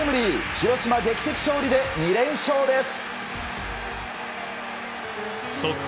広島、劇的勝利で２連勝です。